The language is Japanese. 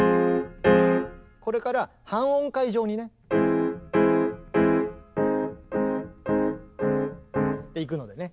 これから半音階状にね。っていくのでね。